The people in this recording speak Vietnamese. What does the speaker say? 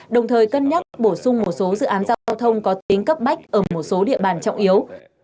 đồng thời cân nhắc bổ sung một số dự án giao thông có tính cấp bách ở một số địa bàn trọng yếu